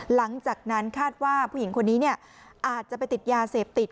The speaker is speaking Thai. หลังจากนั้นคาดว่าผู้หญิงคนนี้อาจจะไปติดยาเสพติด